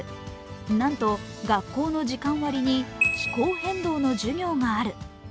なんと、学校の時間割に気候変動の授業がある。